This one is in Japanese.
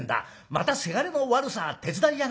『またせがれの悪さ手伝いやがって』